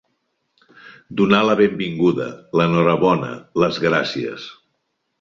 Donar la benvinguda, l'enhorabona, les gràcies.